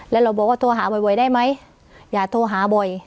แล้วเราบอกว่าโทรหาบ่อยได้ไหมอย่าโทรหาบ่อย